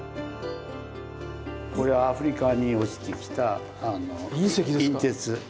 これはアフリカに落ちてきた隕鉄。